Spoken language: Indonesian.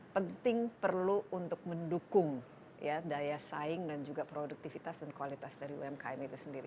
penting perlu untuk mendukung daya saing dan juga produktivitas dan kualitas dari umkm itu sendiri